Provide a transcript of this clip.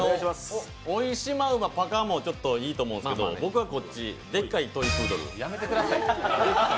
おいしまうまパカもいいと思うんですが僕はこっち、でっかいトイプードル。